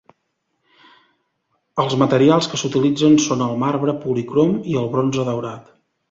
Els materials que s’utilitzen són el marbre policrom i el bronze daurat.